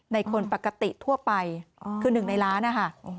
ในคนปกติทั่วไปคือ๑ในล้านนะค่ะ